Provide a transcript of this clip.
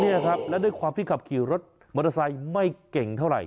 นี่ครับแล้วด้วยความที่ขับขี่รถมอเตอร์ไซค์ไม่เก่งเท่าไหร